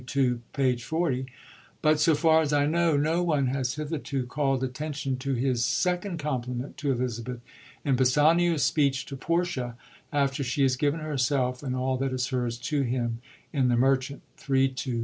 ii. p. 40, but— so far as I know— no one has hitherto calld attention to his second compliment to Elizabeth in Bassanio*s speech to Portia after she has given herself and all that is hers to him, in The Merchant^ III. ii.